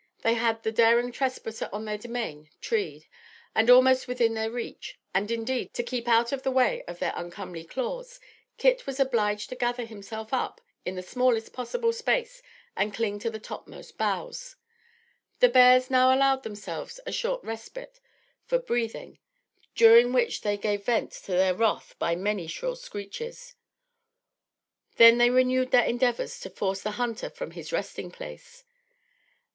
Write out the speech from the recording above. They had the daring trespasser on their domain treed, and almost within their reach; and, indeed, to keep out of the way of their uncomely claws, Kit was obliged to gather himself up in the smallest possible space and cling to the topmost boughs. The bears now allowed themselves a short respite for breathing, during which they gave vent to their wrath by many shrill screeches. Then they renewed their endeavors to force the hunter from his resting place.